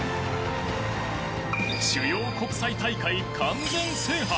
主要国際大会完全制覇！